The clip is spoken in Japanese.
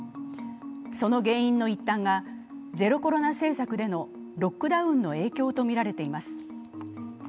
その原因の一端がゼロコロナ政策でのロックダウンの影響とみられています。